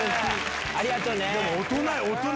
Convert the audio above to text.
ありがとね。